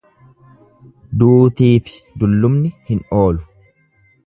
Duutiifi dullumni hin oolu.